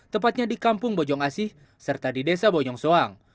tepatnya di kampung bojong asih serta di desa bojong soang